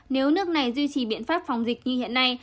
nếu nước này duy trì biện pháp phòng dịch như hiện nay